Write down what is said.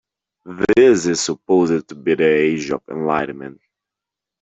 This is supposed to be the age of enlightenment.